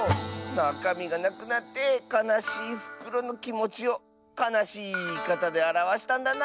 なかみがなくなってかなしいふくろのきもちをかなしいいいかたであらわしたんだな。